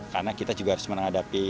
karena kita juga harus mengadakan perubahan